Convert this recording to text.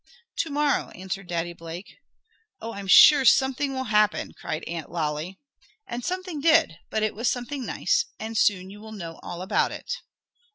"To morrow," answered Daddy Blake. "Oh, I'm sure something will happen!" cried Aunt Lolly. And something did, but it was something nice, and soon you will know all about it.